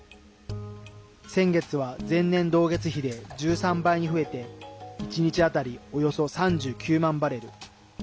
先月は、前年同月比で１３倍に増えて１日当たり、およそ３９万バレル。